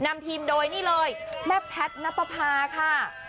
นำทีมโดยนี่เลยแม่แพทย์นับประพาค่ะ